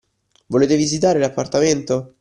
Volete visitare l'appartamento?